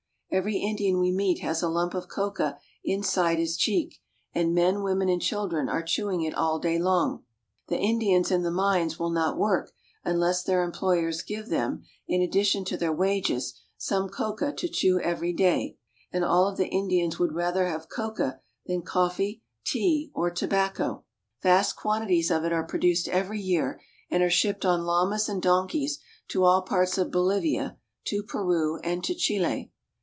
Every Indian we meet has a lump of coca inside his cheek, and men, women, and children are chewing it all day long. The Indians in the mines will not work unless their employers give them, in addition to their wages, some coca to chew every day, and all of the Indians would rather have coca than coffee, tea, or tobacco. 94 BOLIVIA. Vast quantities of it are produced every year, and are shipped on llamas and donkeys to all parts of Bolivia, to Peru, and to Chile.